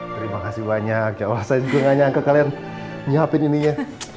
terima kasih banyak ya wah saya juga gak nyangka kalian nyiapin ininya